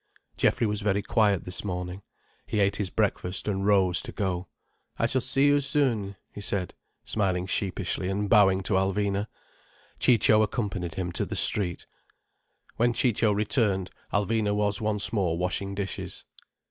Geoffrey was very quiet this morning. He ate his breakfast, and rose to go. "I shall see you soon," he said, smiling sheepishly and bowing to Alvina. Ciccio accompanied him to the street. When Ciccio returned, Alvina was once more washing dishes.